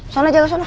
seolah jaga seolah